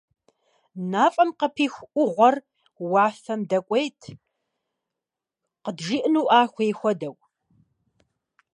Дым от костра поднимался в небо, словно мудрая медитация природы.